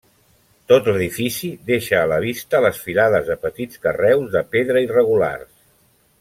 Tot l'edifici deixa a la vista les filades de petits carreus de pedra irregulars.